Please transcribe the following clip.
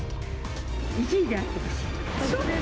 １位であってほしい。